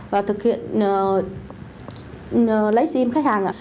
và thực hiện lấy sim khách hàng